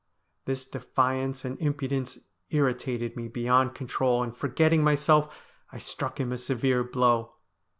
This defiance and impudence irritated me beyond control, and forgetting myself I struck him a severe blow.